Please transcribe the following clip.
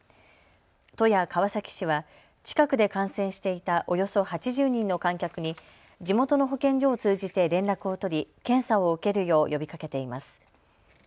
都や川崎市は近くで観戦していたおよそ８０人の観客に地元の保健所を通じて連絡を取り検査を受けるよう呼びかけています。